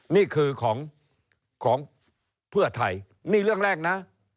นี่คือของเพื่อไทยนี่เรื่องแรกนะ